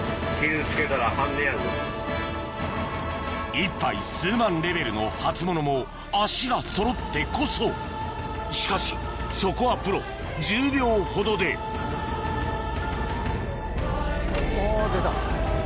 １杯数万レベルの初物も脚がそろってこそしかしそこはプロ１０秒ほどでおぉ出た。